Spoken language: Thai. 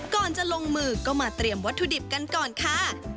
ก่อนจะลงมือก็มาเตรียมวัตถุดิบกันก่อนค่ะ